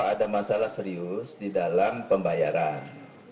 ada masalah serius di dalam pembayaran